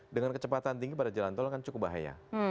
dengan kecepatan tinggi pada jalan tol kan cukup bahaya